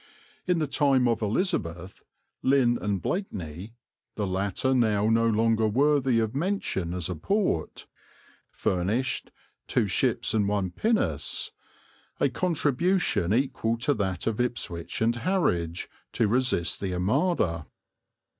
In the time of Elizabeth, Lynn and Blakeney (!), the latter now no longer worthy of mention as a port, furnished "2 shippes and 1 pinnace," a contribution equal to that of Ipswich and Harwich, to resist the Armada.